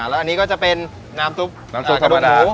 แล้วอันนี้ก็จะเป็นน้ำซุปกระดูกหมู